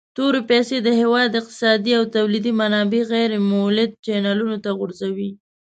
تورې پیسي د هیواد اقتصادي او تولیدي منابع غیر مولدو چینلونو ته غورځوي.